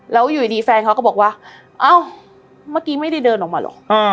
แล้วอยู่ดีแฟนเขาก็บอกว่าเอ้าเมื่อกี้ไม่ได้เดินออกมาเหรอ